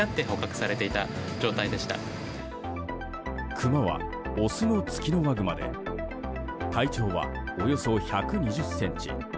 クマはオスのツキノワグマで体長は、およそ１２０ｃｍ。